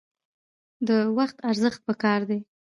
د وخت ارزښت پکار دی